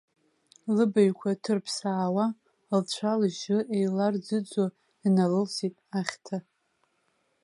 Лыбаҩқәа ҭырԥсаауа, лцәалжьы еиларӡыӡо, иналылсит ахьҭа.